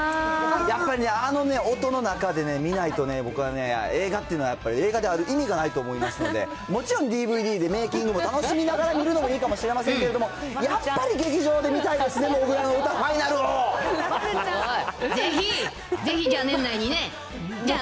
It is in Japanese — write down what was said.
やっぱりね、あの音の中でね、見ないと僕はね、映画っていうのはやっぱり、映画である意味がないと思いますので、もちろん、ＤＶＤでメーキングも楽しみながら見るのもいいかもしれませんけれども、やっぱり劇場で見たいですね、ぜひじゃあ、年内にね。